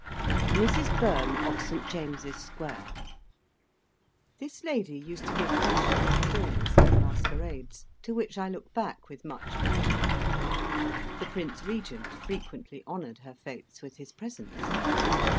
MRS. BOEHM, OF ST. JAMES'S SQUARE This lady used to give fashionable balls and masquerades, to which I look back with much pleasure. The Prince Regent frequently honoured her fetes with his presence.